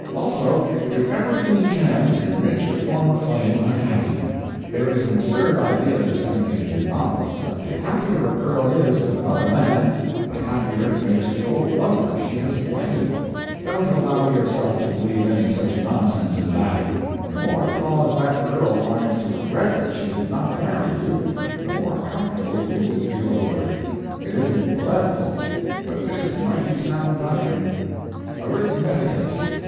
Also, do everything you can to make your former flame unhappy. There is an absurd idea disseminated in novels, that the happier a girl is with another man, the happier it makes the old lover she has blighted. Don't allow yourself to believe any such nonsense as that. The more cause that girl finds to regret that she did not marry you, the more comfortable you will feel over it. It isn't poetical, but it is mighty sound doctrine. "ARITHMETICUS."